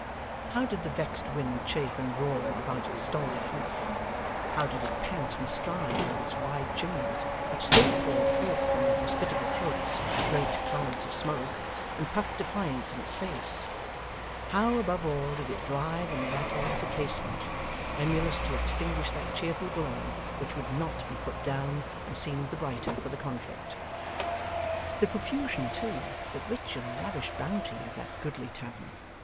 How did the vexed wind chafe and roar about its stalwart roof; how did it pant and strive with its wide chimneys, which still poured forth from their hospitable throats, great clouds of smoke, and puffed defiance in its face; how, above all, did it drive and rattle at the casement, emulous to extinguish that cheerful glow, which would not be put down and seemed the brighter for the conflict! The profusion too, the rich and lavish bounty, of that goodly tavern!